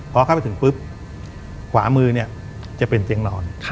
พอเข้าไปถึงปุ๊บขวามือเนี่ยจะเป็นเตียงนอน